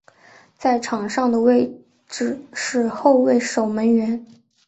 在场上的位置是后卫守门员。